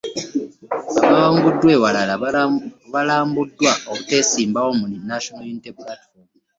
Abawanguddwa ewalala balabuddwa obuteesimbawo mu National Unity Platform